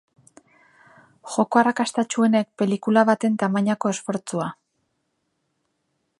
Joko arrakastatsuenek pelikula baten tamainako esfortzua.